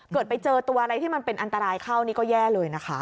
เกิดไปเจอตัวอะไรที่มันเป็นอันตรายเข้านี่ก็แย่เลยนะคะ